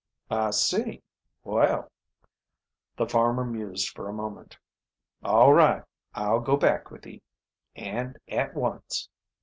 "I see. Well " The farmer mused for a moment. "All right, I'll go back with ye and at once."